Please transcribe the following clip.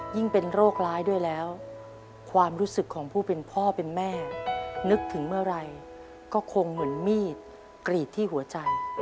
เป็นโรคร้ายด้วยแล้วความรู้สึกของผู้เป็นพ่อเป็นแม่นึกถึงเมื่อไหร่ก็คงเหมือนมีดกรีดที่หัวใจ